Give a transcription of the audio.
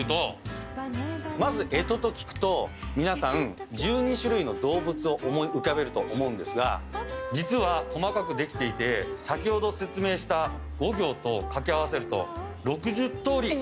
皆さん１２種類の動物を思い浮かべると思うんですが実は細かくできていて先ほど説明した五行と掛け合わせると。